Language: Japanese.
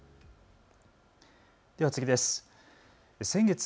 では次です。